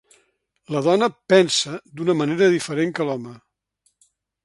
La dona pensa d’un manera diferent que l’home